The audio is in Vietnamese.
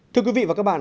thưa quý vị và các bạn